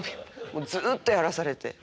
もうずっとやらされて。